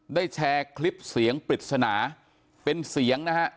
แชร์คลิปเสียงปริศนาเป็นเสียงนะฮะ